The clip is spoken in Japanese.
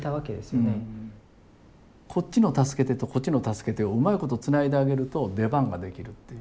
こっちの「助けて」とこっちの「助けて」をうまいことつないであげると出番ができるっていう。